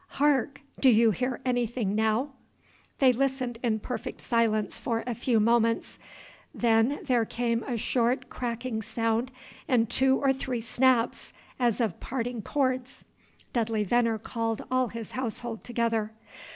Hark! do you hear anything now?" They listened in perfect silence for a few moments. Then there came a short cracking sound, and two or three snaps, as of parting cords. Dudley Venner called all his household together.